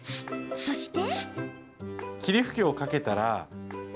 そして。